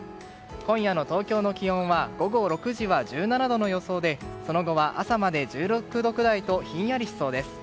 今夜の東京の気温は午後６時は１７度の予想でその後は朝まで１６度くらいとひんやりしそうです。